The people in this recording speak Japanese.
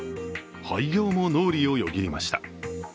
廃業も脳裏をよぎりました。